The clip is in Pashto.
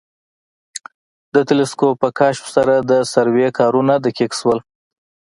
د تلسکوپ په کشف سره د سروې کارونه دقیق شول